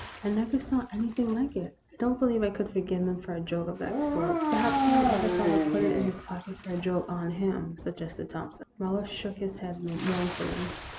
I never saw anything like it. I don't believe I could forgive him for a joke of that sort." " Perhaps some other fellow put it in his pocket for a joke on him, " suggested Thompson. Marlowe shook his head mournfully.